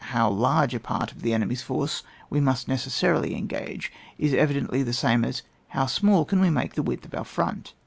how large a part of the enemy's force must we necessarily engage, is evidently the same as to how small can we make the width of our front?